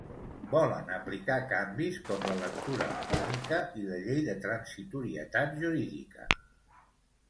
Volen aplicar canvis com la lectura única i la llei de transitorietat jurídica.